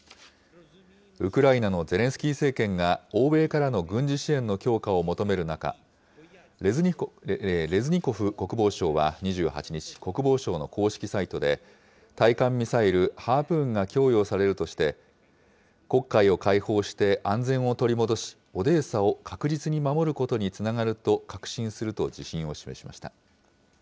ウクライナのゼレンスキー政権が、欧米からの軍事支援の強化を求める中、レズニコフ国防相は２８日、国防省の公式サイトで、対艦ミサイル、ハープーンが供与されるとして、黒海を解放して安全を取り戻し、オデーサを確実に守ることにつながると確信すると自信を示しました。